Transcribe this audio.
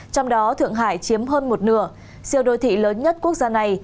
trong đó thượng hải chiếm hơn một nửa siêu đô thị lớn nhất quốc gia này